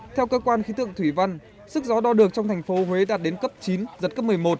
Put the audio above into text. theo cơ quan khí tượng thủy văn sức gió đo được trong thành phố huế đạt đến cấp chín giật cấp một mươi một